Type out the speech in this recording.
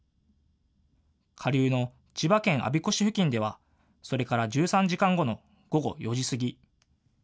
下流の千葉県我孫子市付近ではそれから１３時間後の午後４時過ぎ。